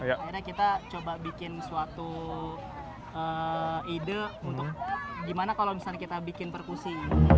akhirnya kita coba bikin suatu ide untuk gimana kalau misalnya kita bikin perkusi